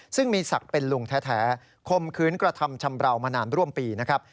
ซึ่งมีศักดิ์เป็นลุงแท้คมคืนกระทำชำราวมานานร่วมปีนะครับ